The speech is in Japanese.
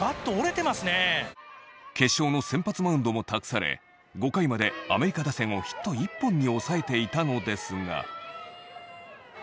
決勝の先発マウンドも託され５回までアメリカ打線をヒット１本に抑えていたのですが。